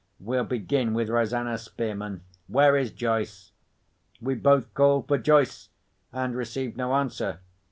We'll begin with Rosanna Spearman. Where is Joyce?" We both called for Joyce, and received no answer.